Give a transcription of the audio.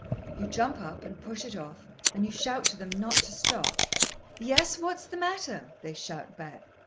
You jump up, and push it off, and you shout to them not to stop. "Yes. What's the matter?" they shout back.